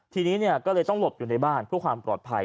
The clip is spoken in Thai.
ทีนี้ก็เลยต้องหลบอยู่ในบ้านเพื่อความปลอดภัย